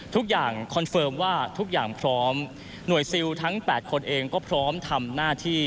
คอนเฟิร์มว่าทุกอย่างพร้อมหน่วยซิลทั้ง๘คนเองก็พร้อมทำหน้าที่